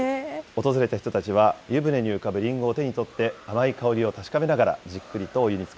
訪れた人たちは、湯船に浮かぶりんごを手に取って、甘い香りを確かめながら、じっくりとお湯につ